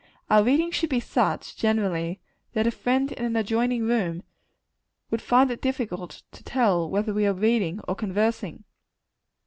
Our reading should be such, generally, that a friend in an adjoining room would find it difficult to tell whether we are reading or conversing.